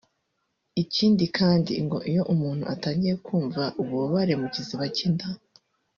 ikindi kandi ngo iyo umuntu atangiye kumva ububabare mu kiziba cy’inda